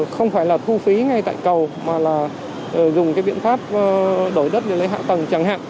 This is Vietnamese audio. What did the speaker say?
không phải là thu phí ngay tại cầu mà là dùng cái biện pháp đổi đất liền lấy hạ tầng chẳng hạn